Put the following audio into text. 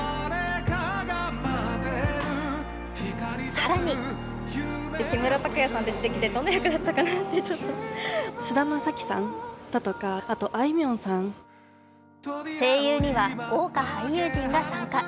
更に声優には豪華俳優陣が参加。